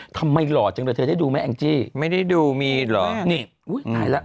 ทำไมหล่อจังเลยเธอได้ดูไหมแองจี้ไม่ได้ดูมีหรอนี่อุ้ยไหนละ